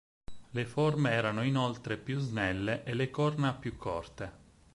Le forme erano inoltre più snelle e le corna più corte.